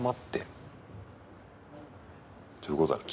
どういうことだろう